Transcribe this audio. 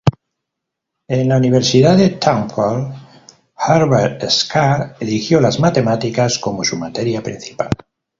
En la Universidad de Temple, Herbert Scarf eligió las matemáticas como su materia principal.